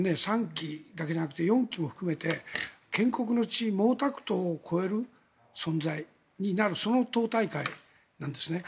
３期だけじゃなくて４期も含めて建国の父毛沢東を超える存在になるその党大会なんですね。